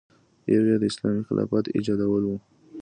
یو یې د اسلامي خلافت ایجادول و.